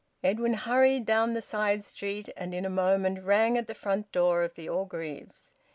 Edwin hurried down the side street, and in a moment rang at the front door of the Orgreaves'.